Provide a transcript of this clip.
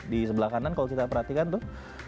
di sebelah kanan kalau kita perhatikan tuh